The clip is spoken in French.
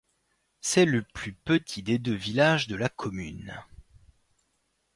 C'est le plus petit des deux villages de la commune.